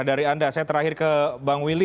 dari anda saya terakhir ke bang willy